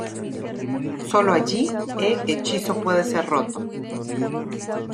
Solo allí e hechizo puede ser roto.